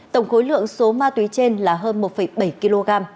tổng khối lượng số ma túy trên là hơn một bảy kg